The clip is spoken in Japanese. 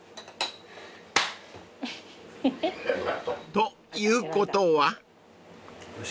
［ということは？］